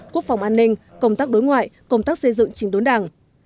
quốc phòng an ninh công tác đối ngoại công tác xây dựng trình đốn đảng